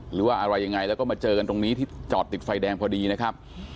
หรือว่าอะไรยังไงแล้วก็มาเจอกันตรงนี้ที่จอดติดไฟแดงพอดีนะครับ